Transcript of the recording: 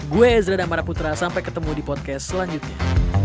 gue ezra damaraputra sampai ketemu di podcast selanjutnya